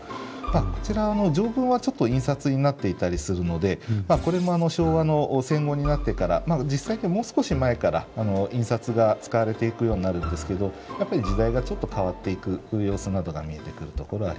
こちらの条文はちょっと印刷になっていたりするのでこれも昭和の戦後になってから実際にもう少し前から印刷が使われていくようになるんですけどやっぱり時代がちょっと変わっていく様子などが見えてくるところがあります。